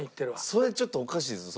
それちょっとおかしいです。